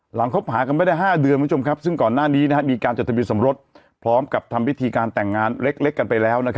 คบหากันไม่ได้๕เดือนคุณผู้ชมซึ่งก่อนหน้านี้มีการจดทะเบียนสมรสพร้อมกับทำพิธีการแต่งงานเล็กกันไปแล้ว